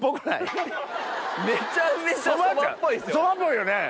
蕎麦っぽいよね？